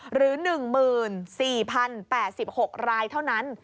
หรือ๑๔๐๘๖รายเท่านั้น